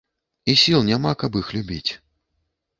І сіл няма, каб іх любіць.